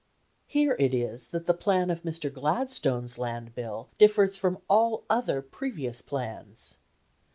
Here it is that the plan of Mr. Gladstone's Land Bill differs from all other previous plans.